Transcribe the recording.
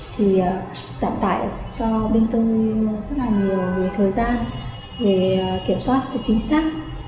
thì giảm tải cho bên tư rất là nhiều thời gian để kiểm soát cho chính xác